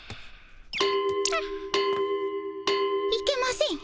あっいけません。